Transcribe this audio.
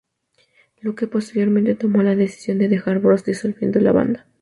Luke posteriormente tomó la decisión de dejar Bros, disolviendo la banda.